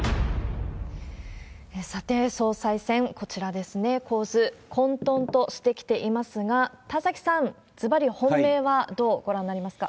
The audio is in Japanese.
さて、総裁選、こちらですね、構図、混とんとしてきていますが、田崎さん、ずばり本命はどうご覧になりますか？